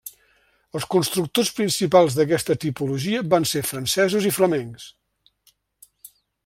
Els constructors principals d'aquesta tipologia van ser francesos i flamencs.